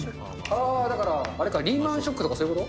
あー、だから、あれか、リーマンショックとかそういうこと？